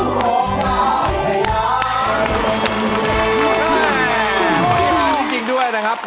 คุณมัดร้องได้จริงด้วยนะครับ